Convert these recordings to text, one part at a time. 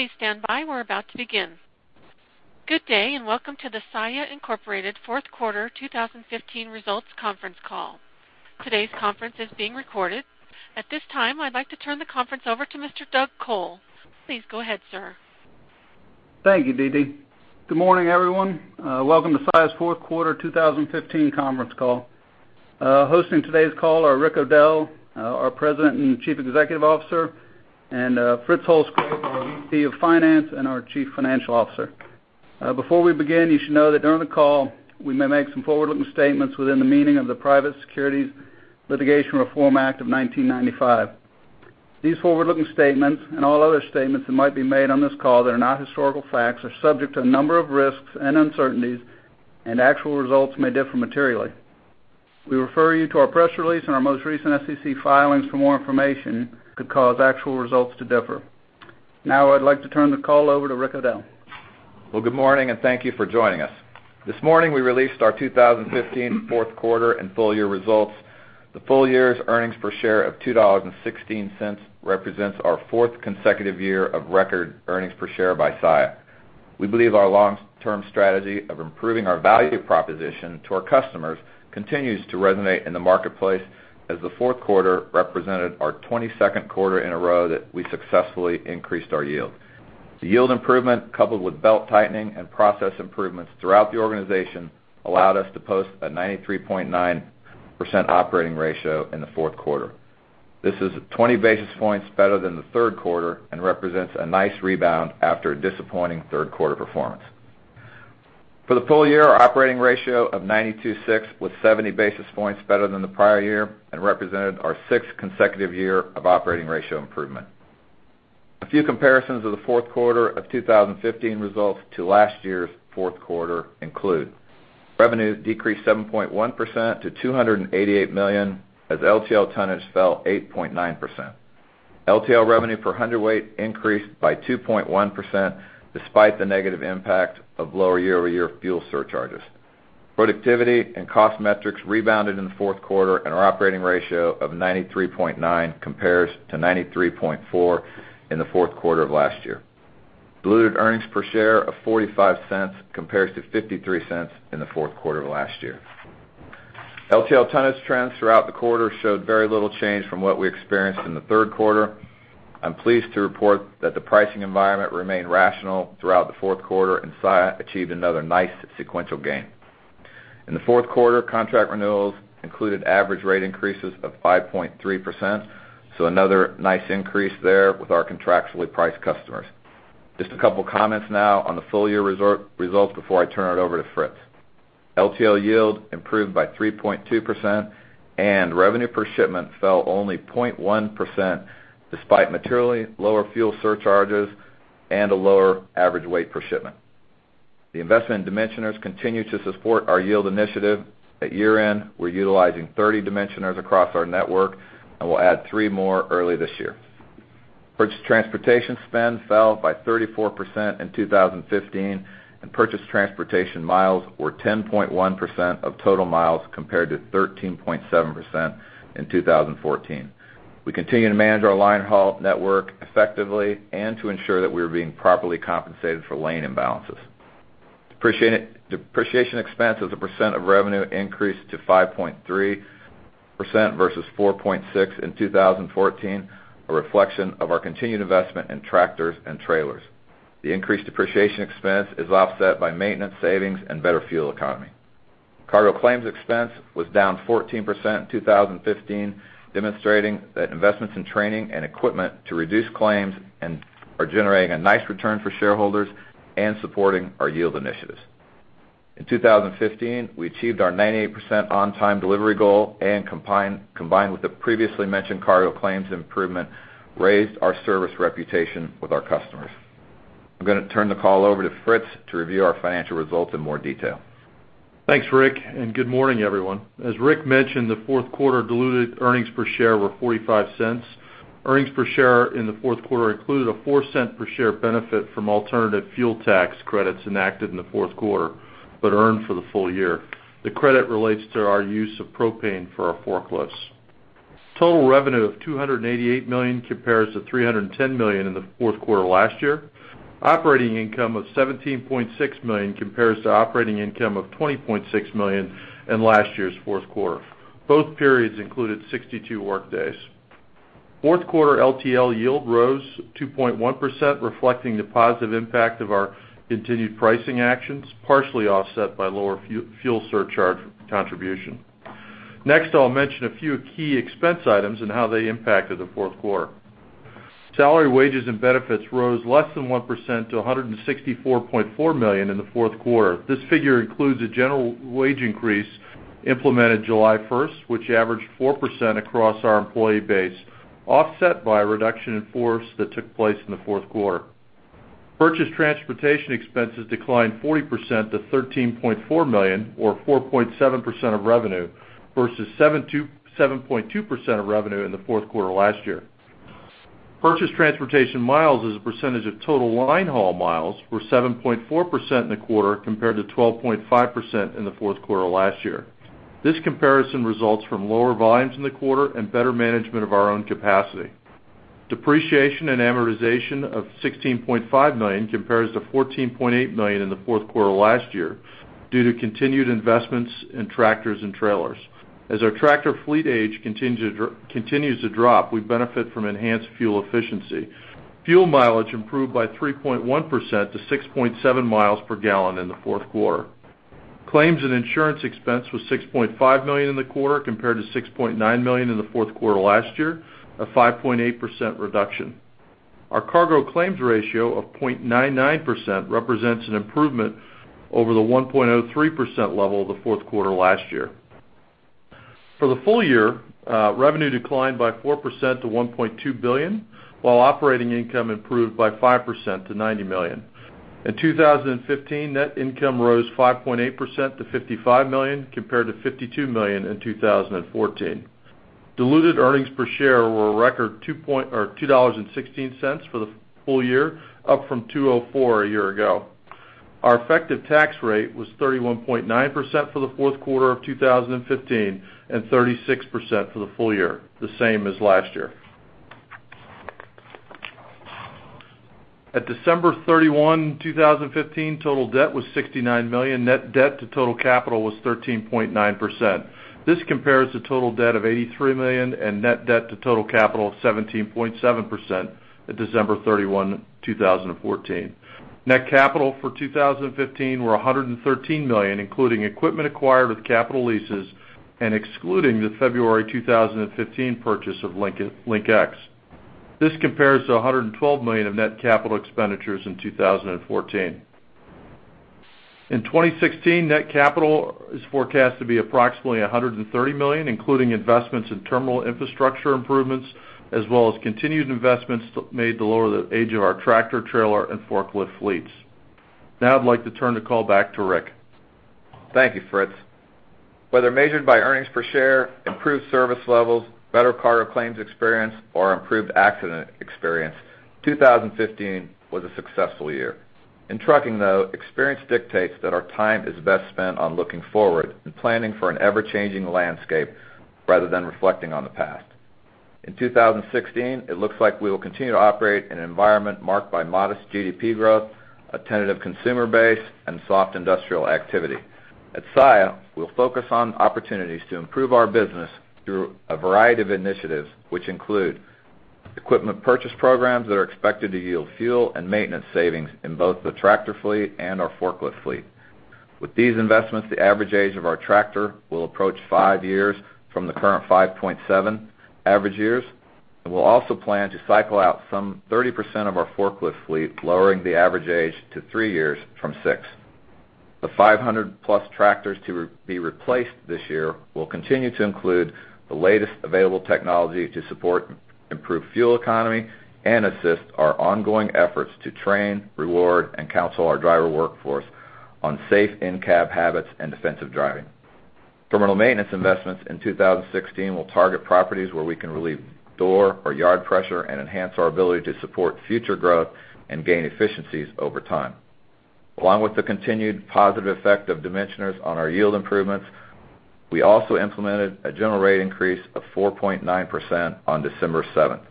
Please stand by. We're about to begin. Good day, and welcome to the Saia Incorporated fourth quarter 2015 results conference call. Today's conference is being recorded. At this time, I'd like to turn the conference over to Mr. Doug Col. Please go ahead, sir. Thank you, Dee Dee. Good morning, everyone. Welcome to Saia's fourth quarter 2015 conference call. Hosting today's call are Rick O'Dell, our President and Chief Executive Officer, and Fritz Holzgrefe, our VP of Finance and our Chief Financial Officer. Before we begin, you should know that during the call, we may make some forward-looking statements within the meaning of the Private Securities Litigation Reform Act of 1995. These forward-looking statements, and all other statements that might be made on this call that are not historical facts, are subject to a number of risks and uncertainties, and actual results may differ materially. We refer you to our press release and our most recent SEC filings for more information could cause actual results to differ. Now, I'd like to turn the call over to Rick O'Dell. Well, good morning, and thank you for joining us. This morning, we released our 2015 fourth quarter and full year results. The full year's earnings per share of $2.16 represents our fourth consecutive year of record earnings per share by Saia. We believe our long-term strategy of improving our value proposition to our customers continues to resonate in the marketplace, as the fourth quarter represented our 22nd quarter in a row that we successfully increased our yield. The yield improvement, coupled with belt-tightening and process improvements throughout the organization, allowed us to post a 93.9% operating ratio in the fourth quarter. This is 20 basis points better than the third quarter and represents a nice rebound after a disappointing third quarter performance. For the full year, our operating ratio of 92.6 was 70 basis points better than the prior year and represented our sixth consecutive year of operating ratio improvement. A few comparisons of the fourth quarter of 2015 results to last year's fourth quarter include: Revenue decreased 7.1% to $288 million, as LTL tonnage fell 8.9%. LTL revenue per hundredweight increased by 2.1%, despite the negative impact of lower year-over-year fuel surcharges. Productivity and cost metrics rebounded in the fourth quarter, and our operating ratio of 93.9 compares to 93.4 in the fourth quarter of last year. Diluted earnings per share of $0.45 compares to $0.53 in the fourth quarter of last year. LTL tonnage trends throughout the quarter showed very little change from what we experienced in the third quarter. I'm pleased to report that the pricing environment remained rational throughout the fourth quarter, and Saia achieved another nice sequential gain. In the fourth quarter, contract renewals included average rate increases of 5.3%, so another nice increase there with our contractually priced customers. Just a couple of comments now on the full-year results before I turn it over to Fritz. LTL yield improved by 3.2%, and revenue per shipment fell only 0.1%, despite materially lower fuel surcharges and a lower average weight per shipment. The investment in dimensioners continued to support our yield initiative. At year-end, we're utilizing 30 dimensioners across our network, and we'll add three more early this year. Purchase transportation spend fell by 34% in 2015, and purchase transportation miles were 10.1% of total miles, compared to 13.7% in 2014. We continue to manage our line haul network effectively and to ensure that we are being properly compensated for lane imbalances. Depreciation, depreciation expense as a percent of revenue increased to 5.3% versus 4.6% in 2014, a reflection of our continued investment in tractors and trailers. The increased depreciation expense is offset by maintenance savings and better fuel economy. Cargo claims expense was down 14% in 2015, demonstrating that investments in training and equipment to reduce claims and are generating a nice return for shareholders and supporting our yield initiatives. In 2015, we achieved our 98% on-time delivery goal and combined with the previously mentioned cargo claims improvement, raised our service reputation with our customers. I'm going to turn the call over to Fritz to review our financial results in more detail. Thanks, Rick, and good morning, everyone. As Rick mentioned, the fourth quarter diluted earnings per share were $0.45. Earnings per share in the fourth quarter included a $0.04 per share benefit from alternative fuel tax credits enacted in the fourth quarter, but earned for the full year. The credit relates to our use of propane for our forklifts. Total revenue of $288 million compares to $310 million in the fourth quarter last year. Operating income of $17.6 million compares to operating income of $20.6 million in last year's fourth quarter. Both periods included 62 workdays. Fourth quarter LTL yield rose 2.1%, reflecting the positive impact of our continued pricing actions, partially offset by lower fuel surcharge contribution. Next, I'll mention a few key expense items and how they impacted the fourth quarter. Salary, wages, and benefits rose less than 1% to $164.4 million in the fourth quarter. This figure includes a general wage increase implemented July 1st, which averaged 4% across our employee base, offset by a reduction in force that took place in the fourth quarter. Purchase transportation expenses declined 40% to $13.4 million, or 4.7% of revenue, versus 7.2% of revenue in the fourth quarter last year. Purchase transportation miles as a percentage of total line haul miles were 7.4% in the quarter, compared to 12.5% in the fourth quarter last year. This comparison results from lower volumes in the quarter and better management of our own capacity. Depreciation and amortization of $16.5 million compares to $14.8 million in the fourth quarter last year, due to continued investments in tractors and trailers. As our tractor fleet age continues to drop, we benefit from enhanced fuel efficiency. Fuel mileage improved by 3.1% to 6.7 m per gallon in the fourth quarter. Claims and insurance expense was $6.5 million in the quarter, compared to $6.9 million in the fourth quarter last year, a 5.8% reduction. Our cargo claims ratio of 0.99% represents an improvement over the 1.03% level of the fourth quarter last year. For the full year, revenue declined by 4% to $1.2 billion, while operating income improved by 5% to $90 million. In 2015, net income rose 5.8% to $55 million, compared to $52 million in 2014. Diluted earnings per share were a record $2.16 for the full year, up from $2.04 a year ago. Our effective tax rate was 31.9% for the fourth quarter of 2015, and 36% for the full year, the same as last year. At December 31, 2015, total debt was $69 million. Net debt to total capital was 13.9%. This compares to total debt of $83 million and net debt to total capital of 17.7% at December 31, 2014. Net capital for 2015 were $113 million, including equipment acquired with capital leases and excluding the February 2015 purchase of LinkEx. This compares to $112 million of net capital expenditures in 2014. In 2016, net capital is forecast to be approximately $130 million, including investments in terminal infrastructure improvements, as well as continued investments made to lower the age of our tractor, trailer, and forklift fleets. Now I'd like to turn the call back to Rick. Thank you, Fritz. Whether measured by earnings per share, improved service levels, better cargo claims experience, or improved accident experience, 2015 was a successful year. In trucking, though, experience dictates that our time is best spent on looking forward and planning for an ever-changing landscape rather than reflecting on the past. In 2016, it looks like we will continue to operate in an environment marked by modest GDP growth, a tentative consumer base, and soft industrial activity. At Saia, we'll focus on opportunities to improve our business through a variety of initiatives, which include equipment purchase programs that are expected to yield fuel and maintenance savings in both the tractor fleet and our forklift fleet. With these investments, the average age of our tractor will approach five years from the current 5.7 average years, and we'll also plan to cycle out some 30% of our forklift fleet, lowering the average age to three years from six. The 500+ tractors to be replaced this year will continue to include the latest available technology to support improved fuel economy and assist our ongoing efforts to train, reward, and counsel our driver workforce on safe in-cab habits and defensive driving. Terminal maintenance investments in 2016 will target properties where we can relieve door or yard pressure and enhance our ability to support future growth and gain efficiencies over time. Along with the continued positive effect of dimensioners on our yield improvements, we also implemented a general rate increase of 4.9% on December seventh,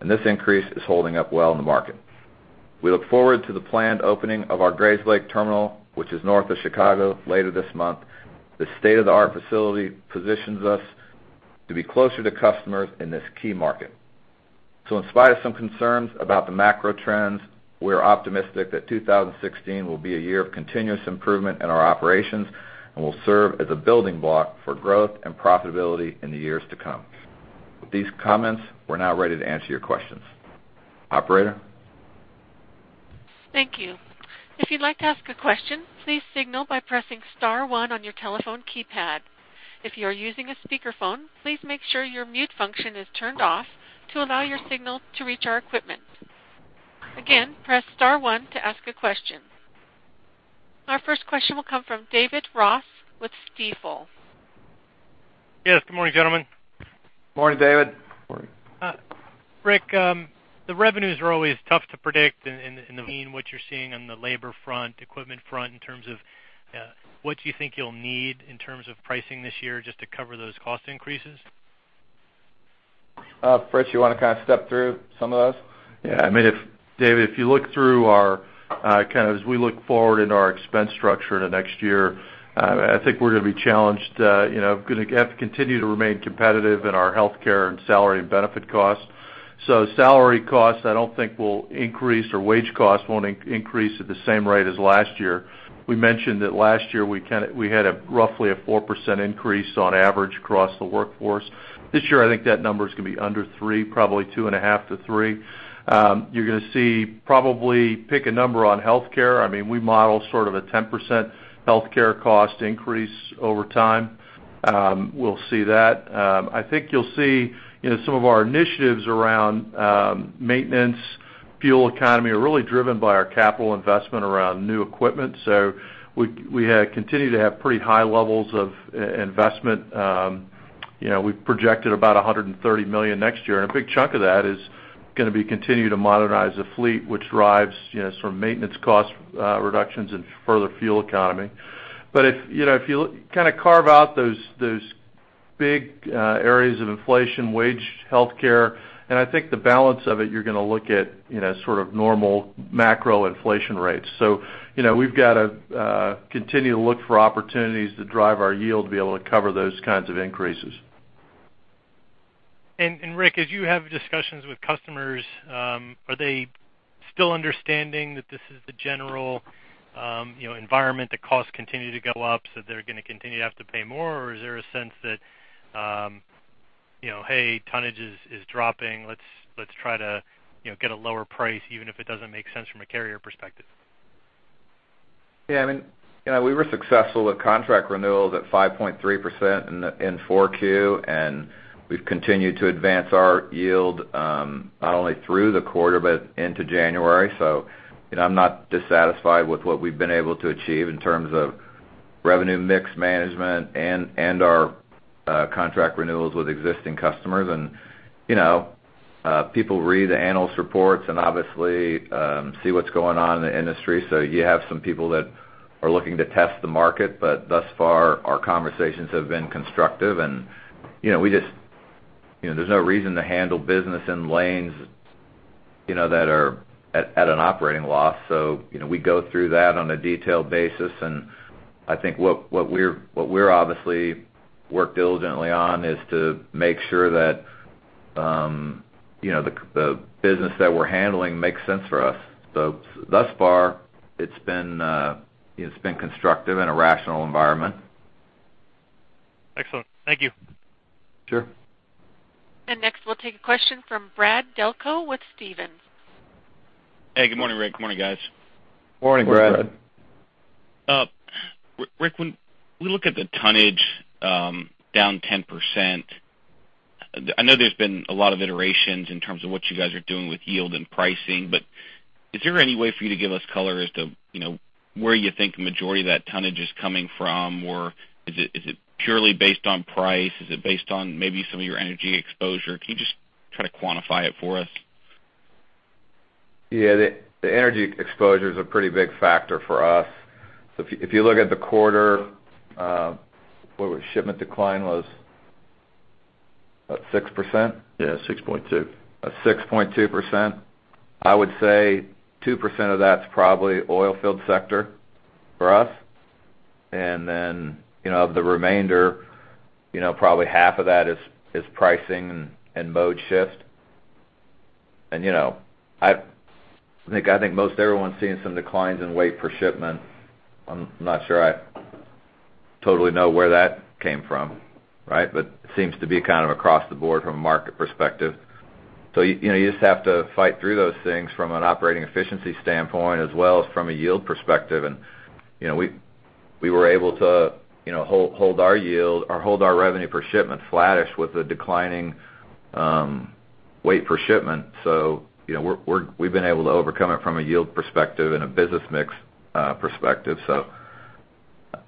and this increase is holding up well in the market. We look forward to the planned opening of our Grayslake terminal, which is north of Chicago, later this month. This state-of-the-art facility positions us to be closer to customers in this key market. So in spite of some concerns about the macro trends, we are optimistic that 2016 will be a year of continuous improvement in our operations and will serve as a building block for growth and profitability in the years to come. With these comments, we're now ready to answer your questions. Operator? Thank you. If you'd like to ask a question, please signal by pressing star one on your telephone keypad. If you are using a speakerphone, please make sure your mute function is turned off to allow your signal to reach our equipment. Again, press star one to ask a question. Our first question will come from David Ross with Stifel. Yes, good morning, gentlemen. Morning, David. Morning. Rick, the revenues are always tough to predict in the meantime, what you're seeing on the labor front, equipment front, in terms of what do you think you'll need in terms of pricing this year just to cover those cost increases? Fritz, you want to kind of step through some of those? Yeah, I mean, if David, if you look through our, kind of as we look forward in our expense structure in the next year, I think we're going to be challenged, you know, gonna have to continue to remain competitive in our healthcare and salary and benefit costs. So salary costs, I don't think will increase or wage costs won't increase at the same rate as last year. We mentioned that last year, we kind of we had a roughly 4% increase on average across the workforce. This year, I think that number is going to be under 3, probably 2.5 to three. You're gonna see probably, pick a number on healthcare. I mean, we model sort of a 10% healthcare cost increase over time. We'll see that. I think you'll see, you know, some of our initiatives around maintenance, fuel economy, are really driven by our capital investment around new equipment. So we had continued to have pretty high levels of investment, you know, we've projected about $130 million next year, and a big chunk of that is gonna be continue to modernize the fleet, which drives, you know, sort of maintenance cost reductions and further fuel economy. But if, you know, if you kind of carve out those, those big areas of inflation, wage, healthcare, and I think the balance of it, you're gonna look at, you know, sort of normal macro inflation rates. So, you know, we've got to continue to look for opportunities to drive our yield to be able to cover those kinds of increases. And, Rick, as you have discussions with customers, are they still understanding that this is the general, you know, environment, that costs continue to go up, so they're gonna continue to have to pay more? Or is there a sense that, you know, hey, tonnage is dropping, let's try to, you know, get a lower price, even if it doesn't make sense from a carrier perspective? Yeah, I mean, you know, we were successful with contract renewals at 5.3% in 4Q, and we've continued to advance our yield, not only through the quarter, but into January. So, you know, I'm not dissatisfied with what we've been able to achieve in terms of revenue mix management and our contract renewals with existing customers. And, you know, people read the analyst reports and obviously see what's going on in the industry. So you have some people that are looking to test the market, but thus far, our conversations have been constructive, and you know, we just... You know, there's no reason to handle business in lanes, you know, that are at an operating loss. So, you know, we go through that on a detailed basis, and I think what we're obviously worked diligently on is to make sure that, you know, the business that we're handling makes sense for us. So thus far, it's been constructive in a rational environment. Excellent. Thank you. Sure. Next, we'll take a question from Brad Delco with Stephens. Hey, good morning, Rick. Good morning, guys. Morning, Brad. Morning, Brad. Rick, when we look at the tonnage down 10%, I know there's been a lot of iterations in terms of what you guys are doing with yield and pricing, but is there any way for you to give us color as to, you know, where you think the majority of that tonnage is coming from? Or is it purely based on price? Is it based on maybe some of your energy exposure? Can you just try to quantify it for us? Yeah, the energy exposure is a pretty big factor for us. So if you look at the quarter, what was it, shipment decline was, 6%? Yeah, 6.2%. 6.2%. I would say 2% of that's probably oil field sector for us. And then, you know, of the remainder, you know, probably half of that is pricing and mode shift. And, you know, I think most everyone's seen some declines in weight per shipment. I'm not sure I totally know where that came from, right? But it seems to be kind of across the board from a market perspective. So, you know, you just have to fight through those things from an operating efficiency standpoint, as well as from a yield perspective. And, you know, we were able to, you know, hold our yield or hold our revenue per shipment flattish with a declining weight per shipment. So, you know, we've been able to overcome it from a yield perspective and a business mix perspective. So,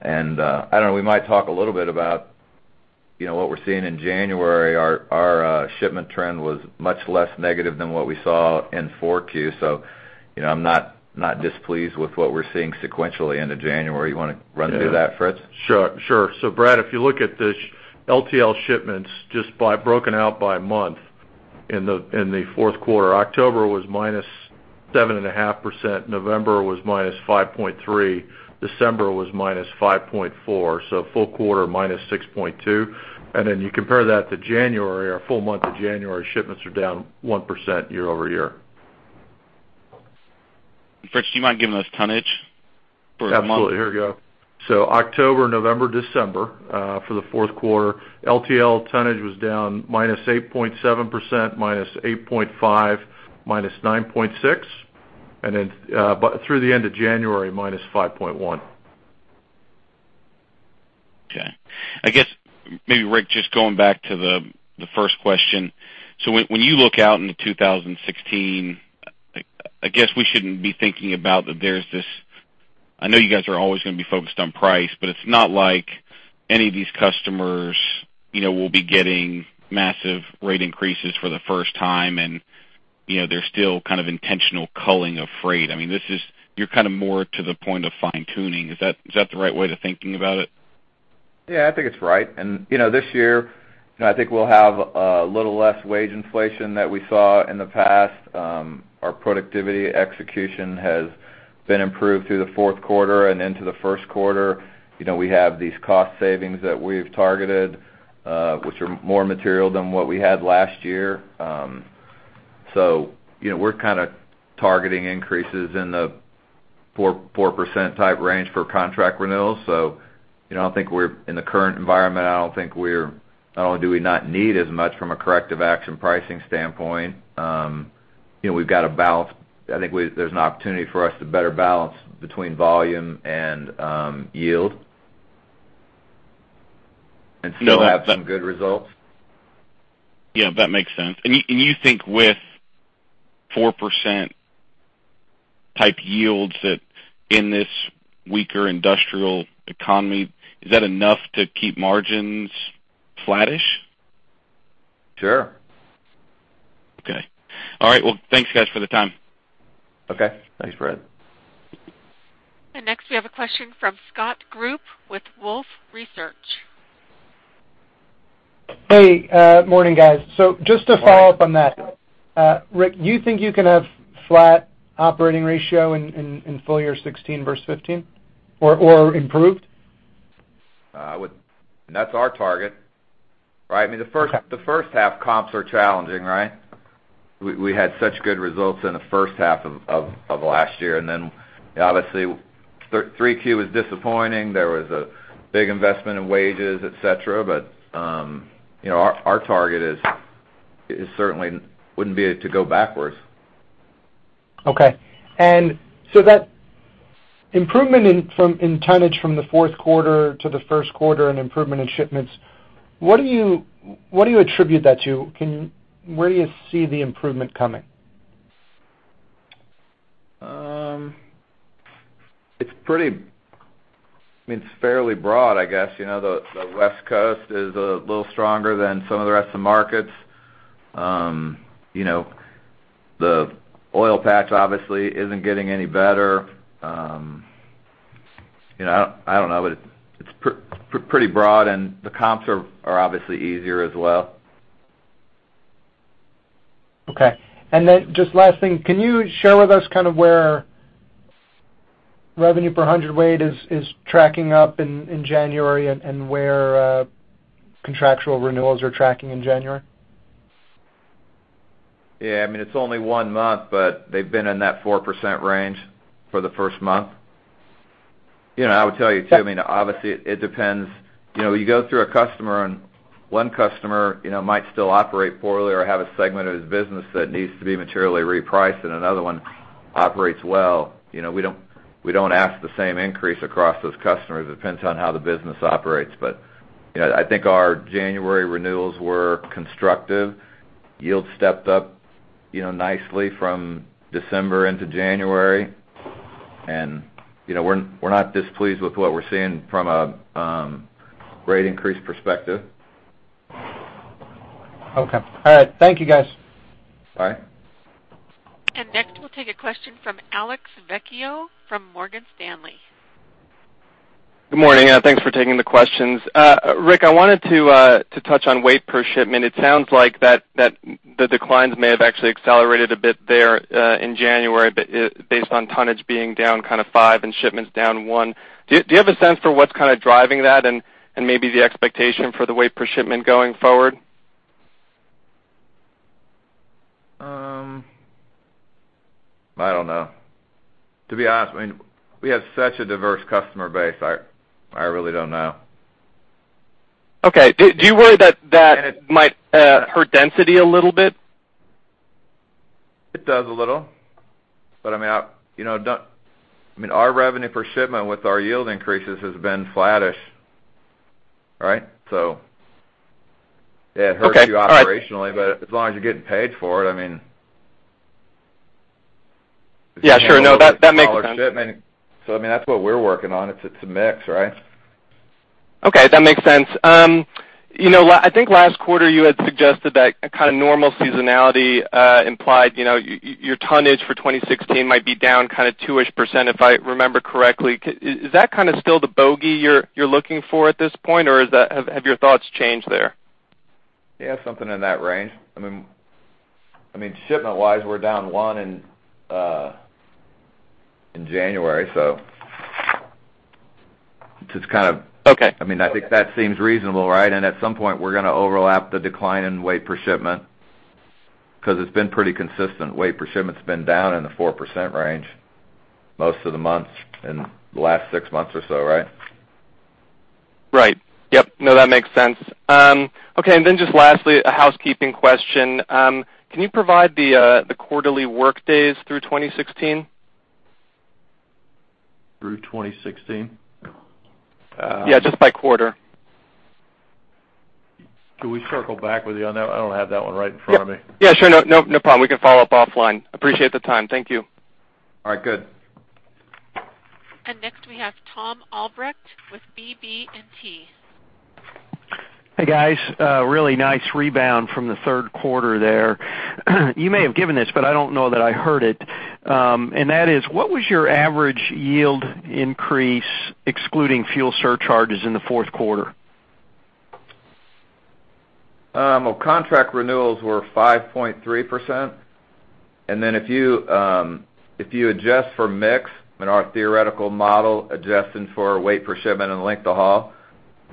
I don't know, we might talk a little bit about, you know, what we're seeing in January. Our shipment trend was much less negative than what we saw in 4Q. So, you know, I'm not displeased with what we're seeing sequentially into January. You want to run through that, Fritz? Sure, sure. So Brad, if you look at the LTL shipments, just broken out by month in the fourth quarter, October was -7.5%, November was -5.3%, December was -5.4%, so full quarter, -6.2%. And then you compare that to January, our full month of January, shipments are down 1% year-over-year. Fritz, do you mind giving us tonnage for a month? Absolutely. Here we go. So October, November, December, for the fourth quarter, LTL tonnage was down -8.7%, -8.5%, -9.6%, and then, but through the end of January, -5.1%. Okay. I guess, maybe, Rick, just going back to the first question. So when you look out into 2016, I guess we shouldn't be thinking about that there's this... I know you guys are always gonna be focused on price, but it's not like any of these customers, you know, will be getting massive rate increases for the first time, and, you know, there's still kind of intentional culling of freight. I mean, this is, you're kind of more to the point of fine-tuning. Is that the right way to thinking about it? Yeah, I think it's right. And, you know, this year, you know, I think we'll have a little less wage inflation than we saw in the past. Our productivity execution has been improved through the fourth quarter and into the first quarter. You know, we have these cost savings that we've targeted, which are more material than what we had last year. So, you know, we're kind of targeting increases in the 4%-4% type range for contract renewals. So, you know, I think we're in the current environment, I don't think we're-- not only do we not need as much from a corrective action pricing standpoint, you know, we've got to balance. I think we-- there's an opportunity for us to better balance between volume and yield. And so we have some good results. Yeah, that makes sense. And you, and you think with 4%-type yields that in this weaker industrial economy, is that enough to keep margins flattish? Sure. Okay. All right, well, thanks guys, for the time. Okay. Thanks, Fred. Next, we have a question from Scott Group with Wolfe Research. Hey, morning, guys. So just to follow up on that, Rick, you think you can have flat operating ratio in full year 2016 versus 2015 or improved? That's our target, right? I mean, the first- Okay. The first half comps are challenging, right? We had such good results in the first half of last year, and then, obviously, 3Q was disappointing. There was a big investment in wages, et cetera. But you know, our target is certainly wouldn't be to go backwards. Okay. And so that improvement in tonnage from the fourth quarter to the first quarter and improvement in shipments, what do you, what do you attribute that to? Can you - where do you see the improvement coming? It's pretty... I mean, it's fairly broad, I guess. You know, the West Coast is a little stronger than some of the rest of the markets. You know, the oil patch obviously isn't getting any better. You know, I don't know, but it's pretty broad, and the comps are obviously easier as well. Okay. Then just last thing, can you share with us kind of where revenue per hundredweight is tracking up in January and where contractual renewals are tracking in January? Yeah, I mean, it's only one month, but they've been in that 4% range for the first month. You know, I would tell you, too, I mean, obviously, it depends. You know, you go through a customer, and one customer, you know, might still operate poorly or have a segment of his business that needs to be materially repriced, and another one operates well. You know, we don't, we don't ask the same increase across those customers. It depends on how the business operates. But, you know, I think our January renewals were constructive. Yield stepped up, you know, nicely from December into January. And, you know, we're, we're not displeased with what we're seeing from a great increase perspective. Okay. All right. Thank you, guys. Bye. Next, we'll take a question from Alex Vecchio from Morgan Stanley. Good morning, and thanks for taking the questions. Rick, I wanted to touch on weight per shipment. It sounds like that the declines may have actually accelerated a bit there in January, but based on tonnage being down kind of five and shipments down one. Do you have a sense for what's kind of driving that and maybe the expectation for the weight per shipment going forward? I don't know. To be honest, I mean, we have such a diverse customer base. I really don't know. Okay. Do you worry that might hurt density a little bit? It does a little. But, I mean, you know, don't I mean, our revenue per shipment with our yield increases has been flattish, right? So it hurts you. Okay, all right. Operationally, but as long as you're getting paid for it, I mean. Yeah, sure. No, that, that makes sense. Shipment. So, I mean, that's what we're working on. It's, it's a mix, right? Okay, that makes sense. You know, I think last quarter, you had suggested that a kind of normal seasonality implied your tonnage for 2016 might be down kind of 2-ish%, if I remember correctly. Is that kind of still the bogey you're looking for at this point, or is that... Have your thoughts changed there? Yeah, something in that range. I mean, I mean, shipment-wise, we're down 1% in January, so it's kind of- Okay. I mean, I think that seems reasonable, right? And at some point, we're going to overlap the decline in weight per shipment because it's been pretty consistent. Weight per shipment's been down in the 4% range most of the months in the last six months or so, right? Right. Yep. No, that makes sense. Okay, and then just lastly, a housekeeping question. Can you provide the quarterly workdays through 2016? Through 2016? Yeah, just by quarter. Can we circle back with you on that? I don't have that one right in front of me. Yep. Yeah, sure. No, no, no problem. We can follow up offline. Appreciate the time. Thank you. All right. Good. Next, we have Tom Albrecht with BB&T. Hey, guys. Really nice rebound from the third quarter there. You may have given this, but I don't know that I heard it. That is, what was your average yield increase, excluding fuel surcharges in the fourth quarter? Well, contract renewals were 5.3%. And then if you, if you adjust for mix in our theoretical model, adjusting for weight per shipment and length of haul.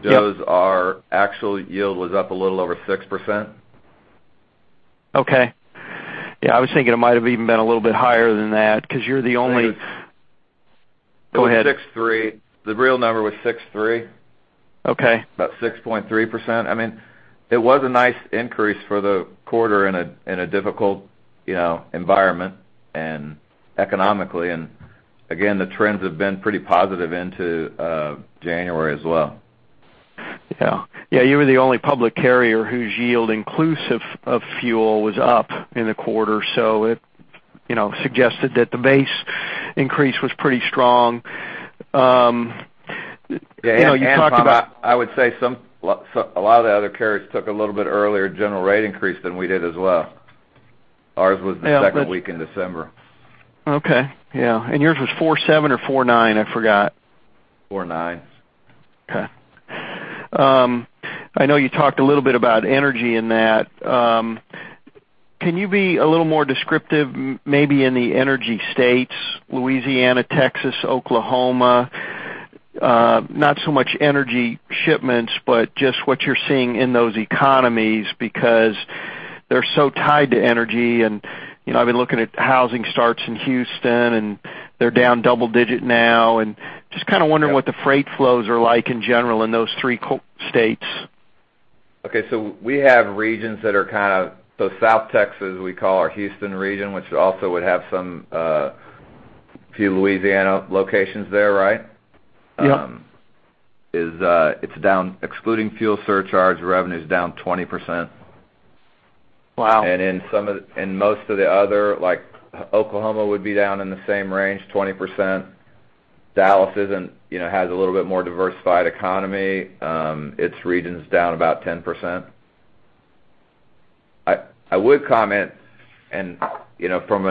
Yep. shows our actual yield was up a little over 6%. Okay. Yeah, I was thinking it might have even been a little bit higher than that, because you're the only- It was. Go ahead. It was 6.3%. The real number was 6.3%. Okay. About 6.3%. I mean, it was a nice increase for the quarter in a difficult, you know, environment and economically. Again, the trends have been pretty positive into January as well. Yeah, yeah, you were the only public carrier whose yield, inclusive of fuel, was up in the quarter. So it, you know, suggested that the base increase was pretty strong. You know, you talked about- I would say a lot of the other carriers took a little bit earlier general rate increase than we did as well. Ours was the second week in December. Okay. Yeah, and yours was 4.7 or 4.9? I forgot. 4.9. Okay. I know you talked a little bit about energy in that. Can you be a little more descriptive, maybe in the energy states, Louisiana, Texas, Oklahoma? Not so much energy shipments, but just what you're seeing in those economies because they're so tied to energy. And, you know, I've been looking at housing starts in Houston, and they're down double digit now. And just kind of wondering what the freight flows are like in general in those three states. Okay. So we have regions that are kind of, so South Texas, we call our Houston region, which also would have some, few Louisiana locations there, right? Yep. It's down, excluding fuel surcharge. Revenue is down 20%. Wow! In most of the other, like, Oklahoma, would be down in the same range, 20%. Dallas isn't, you know, has a little bit more diversified economy. Its region is down about 10%. I, I would comment, and, you know, from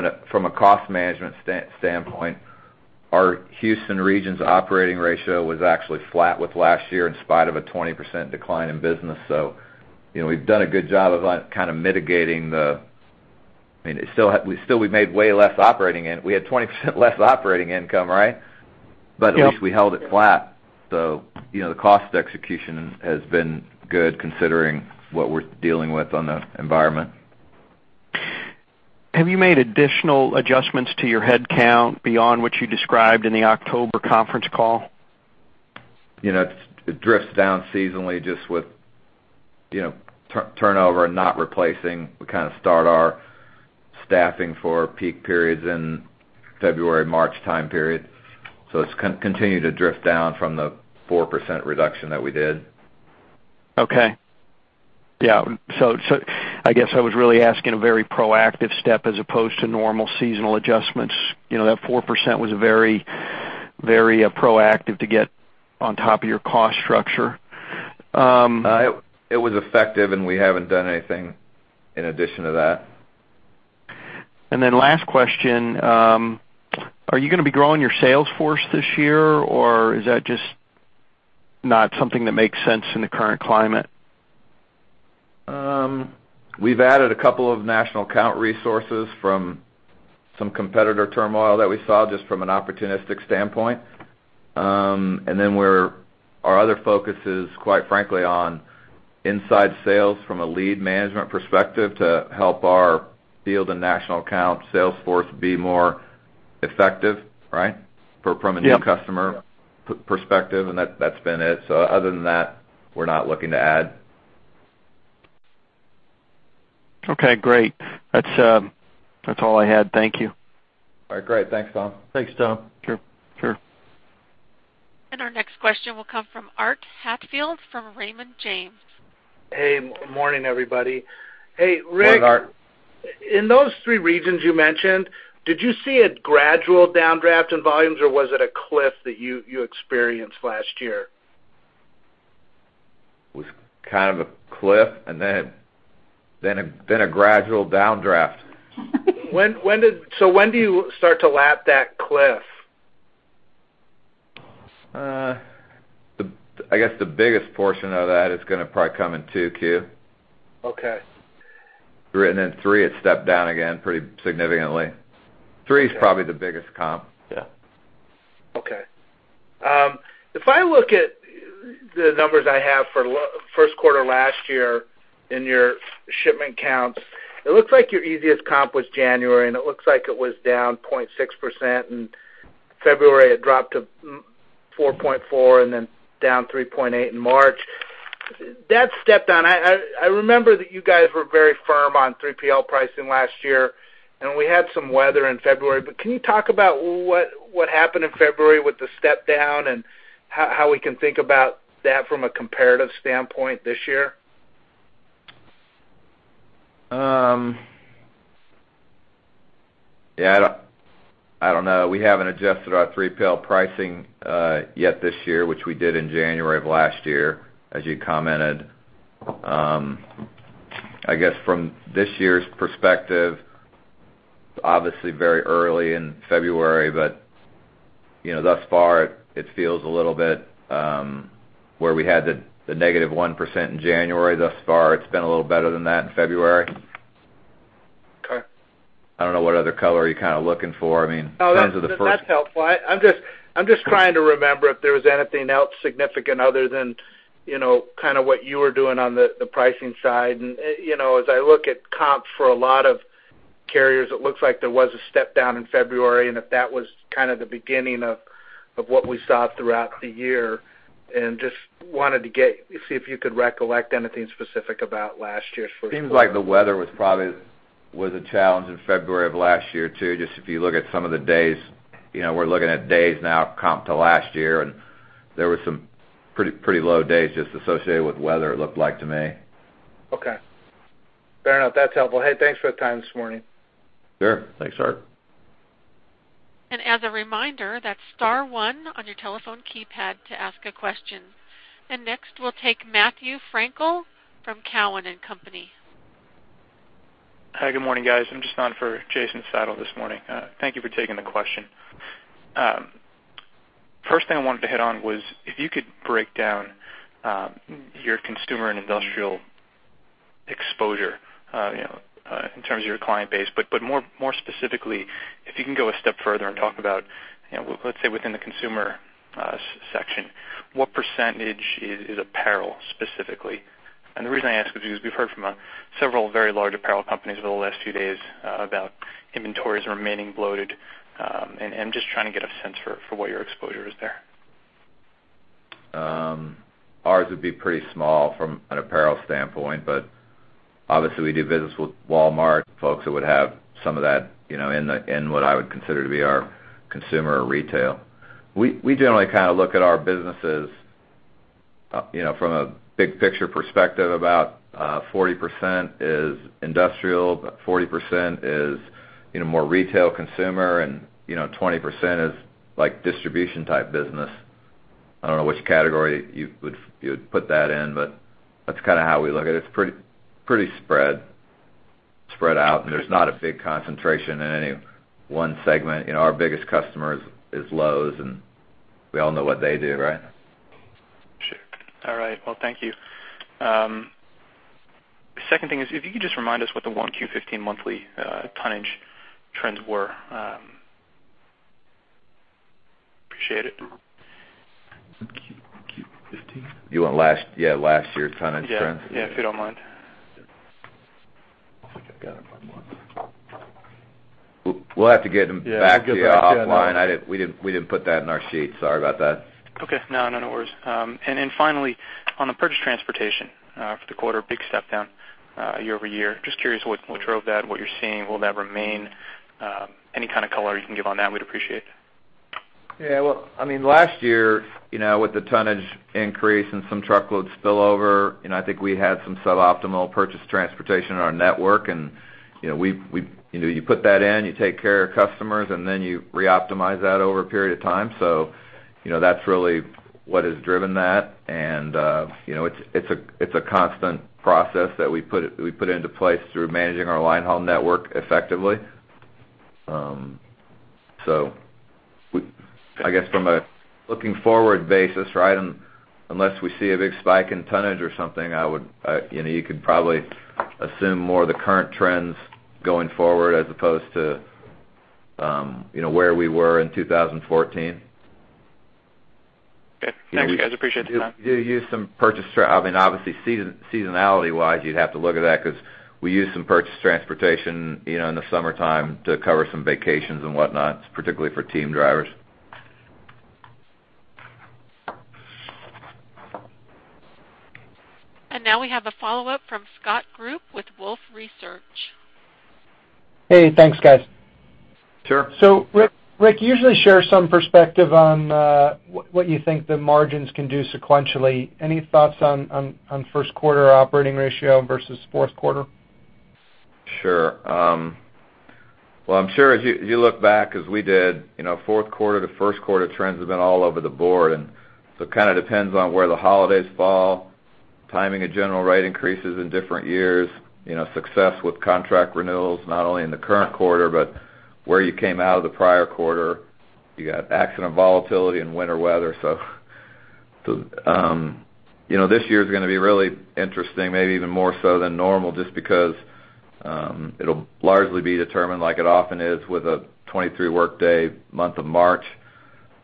a cost management standpoint, our Houston region's operating ratio was actually flat with last year in spite of a 20% decline in business. So, you know, we've done a good job of, like, kind of mitigating the... I mean, it still had- still we made way less operating income. We had 20% less operating income, right? Yep. At least we held it flat. You know, the cost execution has been good, considering what we're dealing with on the environment. Have you made additional adjustments to your headcount beyond what you described in the October conference call? You know, it drifts down seasonally, just with, you know, turnover and not replacing. We kind of start our staffing for peak periods in February, March time period. So it's continued to drift down from the 4% reduction that we did. Okay. Yeah, so, so I guess I was really asking a very proactive step as opposed to normal seasonal adjustments. You know, that 4% was very, very proactive to get on top of your cost structure. It was effective, and we haven't done anything in addition to that. Then last question, are you going to be growing your sales force this year, or is that just not something that makes sense in the current climate? We've added a couple of national account resources from some competitor turmoil that we saw, just from an opportunistic standpoint. And then we're, our other focus is, quite frankly, on inside sales from a lead management perspective, to help our field and national account sales force be more effective, right? Yep. From a new customer perspective, and that, that's been it. So other than that, we're not looking to add. Okay, great. That's, that's all I had. Thank you. All right, great. Thanks, Tom. Thanks, Tom. Sure. Sure. Our next question will come from Art Hatfield from Raymond James. Hey, morning, everybody. Hey, Rick. Morning, Art. In those three regions you mentioned, did you see a gradual downdraft in volumes, or was it a cliff that you, you experienced last year? It was kind of a cliff, and then a gradual downdraft. So when do you start to lap that cliff? I guess the biggest portion of that is going to probably come in 2Q. Okay. And then three, it stepped down again pretty significantly. Three is probably the biggest comp. Yeah. Okay. If I look at the numbers I have for first quarter last year in your shipment counts, it looks like your easiest comp was January, and it looks like it was down 0.6%, and February, it dropped to 4.4, and then down 3.8% in March. That stepped down. I remember that you guys were very firm on 3PL pricing last year, and we had some weather in February. But can you talk about what happened in February with the step down and how we can think about that from a comparative standpoint this year? Yeah, I don't, I don't know. We haven't adjusted our 3PL pricing yet this year, which we did in January of last year, as you commented. I guess from this year's perspective, obviously very early in February, but you know, thus far, it, it feels a little bit where we had the, the negative 1% in January. Thus far, it's been a little better than that in February. Okay. I don't know what other color are you kind of looking for. I mean, in terms of the first. No, that's, that's helpful. I'm just, I'm just trying to remember if there was anything else significant other than, you know, kind of what you were doing on the, the pricing side. And, you know, as I look at comps for a lot of carriers, it looks like there was a step down in February, and if that was kind of the beginning of, of what we saw throughout the year. And just wanted to get... See if you could recollect anything specific about last year's first quarter. Seems like the weather was a challenge in February of last year, too. Just if you look at some of the days, you know, we're looking at days now comp to last year, and there were some pretty, pretty low days just associated with weather, it looked like to me. Okay. Fair enough. That's helpful. Hey, thanks for the time this morning. Sure. Thanks, Art. As a reminder, that's star one on your telephone keypad to ask a question. Next, we'll take Matthew Frankel from Cowen and Company. Hi, good morning, guys. I'm just on for Jason Seidl this morning. Thank you for taking the question. First thing I wanted to hit on was, if you could break down your consumer and industrial exposure, you know, in terms of your client base, but more specifically, if you can go a step further and talk about, you know, let's say within the consumer section, what percentage is apparel, specifically? And the reason I ask is because we've heard from several very large apparel companies over the last few days about inventories remaining bloated, and I'm just trying to get a sense for what your exposure is there. Ours would be pretty small from an apparel standpoint, but obviously, we do business with Walmart, folks who would have some of that, you know, in what I would consider to be our consumer or retail. We generally kind of look at our businesses, you know, from a big picture perspective, about 40% is industrial, about 40% is, you know, more retail consumer, and, you know, 20% is like distribution-type business. I don't know which category you would put that in, but that's kind of how we look at it. It's pretty spread out, and there's not a big concentration in any one segment. You know, our biggest customer is Lowe's, and we all know what they do, right? Sure. All right. Well, thank you. Second thing is, if you could just remind us what the 1Q 2015 monthly tonnage trends were? Appreciate it. Q, Q 2015? You want last, yeah, last year's tonnage trends? Yeah. Yeah, if you don't mind. I think I've got it one more. We'll have to get them back to you offline. Yeah. We didn't put that in our sheet. Sorry about that. Okay. No, no, no worries. And finally, on the purchase transportation, for the quarter, big step down year-over-year. Just curious what, what drove that, what you're seeing? Will that remain? Any kind of color you can give on that, we'd appreciate. Yeah, well, I mean, last year, you know, with the tonnage increase and some truckload spillover, you know, I think we had some suboptimal purchase transportation in our network, and, you know, we've... You know, you put that in, you take care of your customers, and then you reoptimize that over a period of time. So, you know, that's really what has driven that. And, you know, it's a constant process that we put into place through managing our line haul network effectively. So, I guess, from a looking forward basis, right, unless we see a big spike in tonnage or something, I would, you know, you could probably assume more of the current trends going forward as opposed to, you know, where we were in 2014. Okay. Thanks, guys. Appreciate the time. We do use some purchase transportation. I mean, obviously, seasonality-wise, you'd have to look at that because we use some purchase transportation, you know, in the summertime to cover some vacations and whatnot, particularly for team drivers. Now we have a follow-up from Scott Group with Wolfe Research. Hey, thanks, guys. Sure. So Rick, you usually share some perspective on what you think the margins can do sequentially. Any thoughts on first quarter operating ratio versus fourth quarter? Sure. Well, I'm sure as you, you look back, as we did, you know, fourth quarter to first quarter trends have been all over the board, and so it kind of depends on where the holidays fall, timing of general rate increases in different years, you know, success with contract renewals, not only in the current quarter, but where you came out of the prior quarter. You got accident, volatility and winter weather. So, you know, this year is going to be really interesting, maybe even more so than normal, just because, it'll largely be determined, like it often is, with a 23-workday month of March.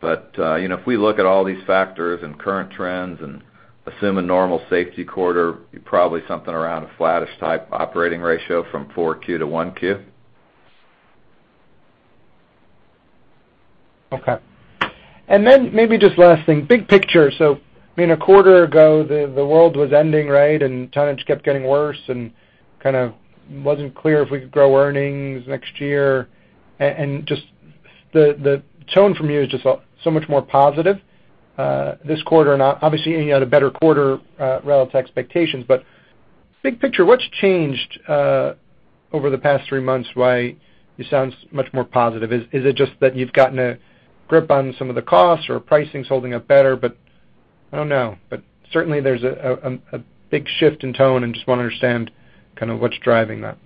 But, you know, if we look at all these factors and current trends and assume a normal safety quarter, be probably something around a flattish type operating ratio from 4Q to 1Q. Okay. And then maybe just last thing, big picture. So, I mean, a quarter ago, the world was ending, right? And tonnage kept getting worse and kind of wasn't clear if we could grow earnings next year. And just the tone from you is just so, so much more positive this quarter. And obviously, you had a better quarter relative to expectations. But big picture, what's changed over the past three months, why it sounds much more positive? Is it just that you've gotten a grip on some of the costs or pricing is holding up better? But I don't know. But certainly, there's a big shift in tone, and just want to understand kind of what's driving that.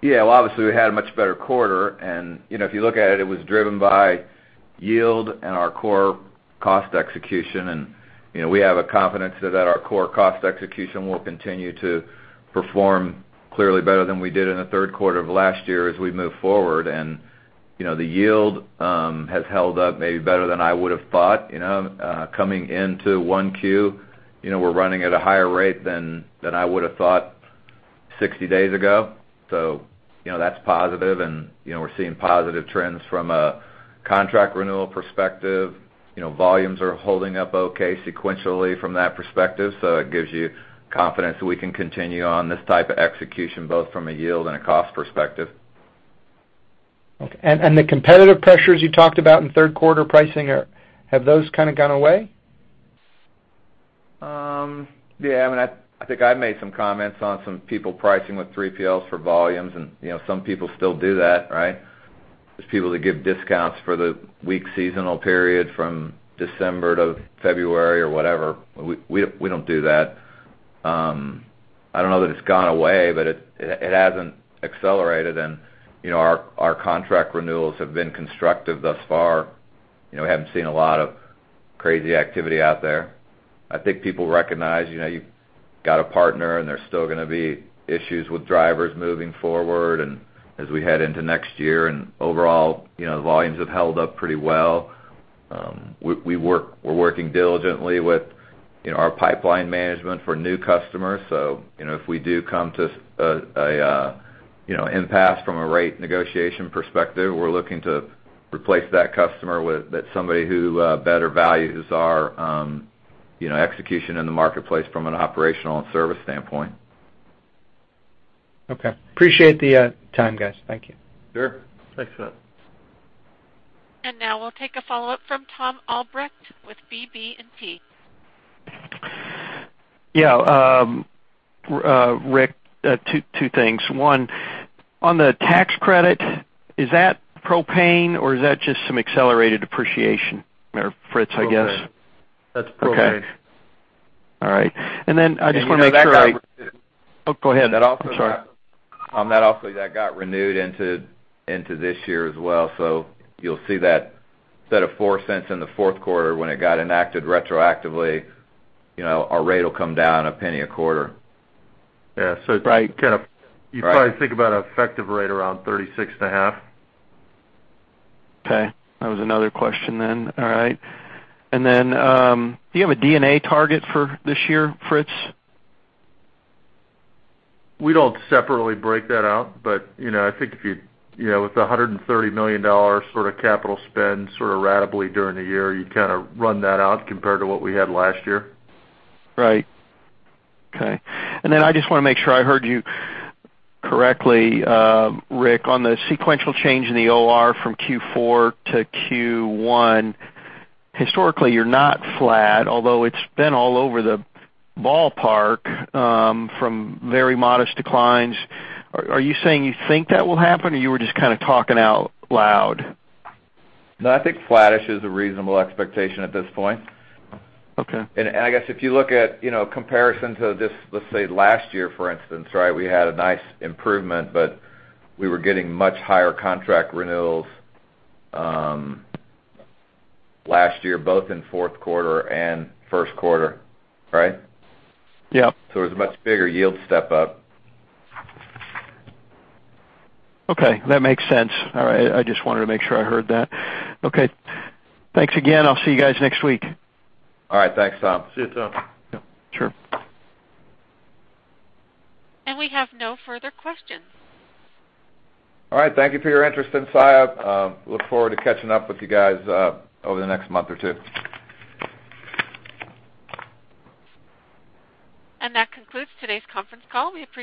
Yeah, well, obviously, we had a much better quarter, and, you know, if you look at it, it was driven by yield and our core cost execution. And, you know, we have a confidence that our core cost execution will continue to perform clearly better than we did in the third quarter of last year as we move forward. And, you know, the yield has held up maybe better than I would have thought, you know, coming into 1Q. You know, we're running at a higher rate than I would have thought 60 days ago. You know, that's positive, and, you know, we're seeing positive trends from a contract renewal perspective. You know, volumes are holding up okay sequentially from that perspective, so it gives you confidence that we can continue on this type of execution, both from a yield and a cost perspective. Okay. And the competitive pressures you talked about in third quarter pricing, have those kind of gone away? Yeah, I mean, I think I made some comments on some people pricing with 3PLs for volumes, and, you know, some people still do that, right? There's people that give discounts for the weak seasonal period from December to February or whatever. We don't do that. I don't know that it's gone away, but it hasn't accelerated. And, you know, our contract renewals have been constructive thus far. You know, we haven't seen a lot of crazy activity out there. I think people recognize, you know, you've got a partner, and there's still gonna be issues with drivers moving forward and as we head into next year. And overall, you know, the volumes have held up pretty well. We're working diligently with, you know, our pipeline management for new customers. So, you know, if we do come to an impasse from a rate negotiation perspective, we're looking to replace that customer with somebody who better values our you know, execution in the marketplace from an operational and service standpoint. Okay. Appreciate the time, guys. Thank you. Sure. Thanks, Scott. Now we'll take a follow-up from Tom Albrecht with BB&T. Yeah, Rick, two things. One, on the tax credit, is that propane or is that just some accelerated depreciation, Fritz, I guess? Propane. That's propane. Okay. All right. And then I just want to make sure. And you know, that got. Oh, go ahead. I'm sorry. That also got renewed into this year as well, so you'll see that set of $0.04 in the fourth quarter when it got enacted retroactively, you know, our rate will come down $0.01 a quarter. Yeah. Right. Right. You probably think about an effective rate around 36.5. Okay. That was another question then. All right. And then, do you have an EBITDA target for this year, Fritz? We don't separately break that out, but, you know, I think if you, you know, with $130 million sort of capital spend, sort of ratably during the year, you kind of run that out compared to what we had last year. Right. Okay. And then I just want to make sure I heard you correctly, Rick, on the sequential change in the OR from Q4 to Q1. Historically, you're not flat, although it's been all over the ballpark, from very modest declines. Are you saying you think that will happen, or you were just kind of talking out loud? No, I think flattish is a reasonable expectation at this point. Okay. I guess if you look at, you know, comparison to just, let's say, last year, for instance, right, we had a nice improvement, but we were getting much higher contract renewals, last year, both in fourth quarter and first quarter. Right? Yeah. It was a much bigger yield step up. Okay, that makes sense. All right. I just wanted to make sure I heard that. Okay. Thanks again. I'll see you guys next week. All right. Thanks, Tom. See you, Tom. Yeah, sure. We have no further questions. All right. Thank you for your interest in Saia. Look forward to catching up with you guys over the next month or two. That concludes today's conference call. We appreciate-